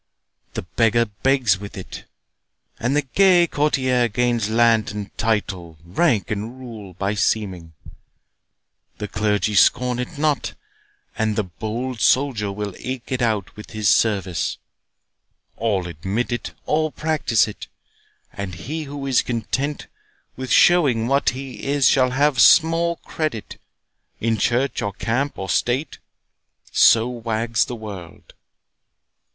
The beggar begs with it, and the gay courtier Gains land and title, rank and rule, by seeming; The clergy scorn it not, and the bold soldier Will eke with it his service.—All admit it, All practise it; and he who is content With showing what he is, shall have small credit In church, or camp, or state—So wags the world.